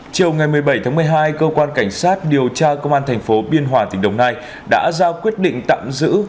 chiều ngày một mươi bảy tháng một mươi hai cơ quan cảnh sát điều tra công an thành phố biên hòa tỉnh đồng nai đã ra quyết định tạm giữ